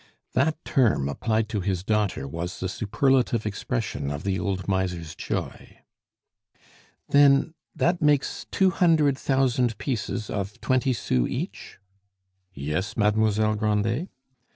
That term applied to his daughter was the superlative expression of the old miser's joy. "Then that makes two hundred thousand pieces of twenty sous each?" "Yes, Mademoiselle Grandet."